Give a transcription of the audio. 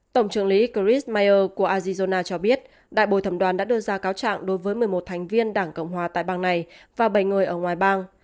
tổng trưởng lý chrismeier của azizona cho biết đại bồi thẩm đoàn đã đưa ra cáo trạng đối với một mươi một thành viên đảng cộng hòa tại bang này và bảy người ở ngoài bang